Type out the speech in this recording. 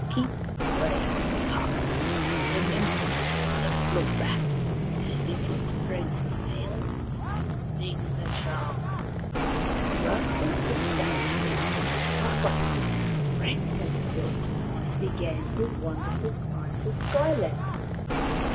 " Keep a brave heart, remember to never look back, and, if your strength fails, sing the charm." Tawhaki's Climb 39 Grasping the spider thread, Tawhaki sprang from the earth, and began his wonderful climb to Sky land.